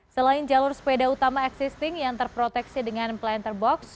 selain jalur sepeda utama existing yang terproteksi dengan planter box